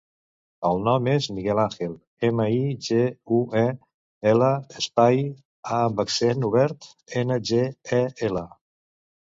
El nom és Miguel àngel: ema, i, ge, u, e, ela, espai, a amb accent obert, ena, ge, e, ela.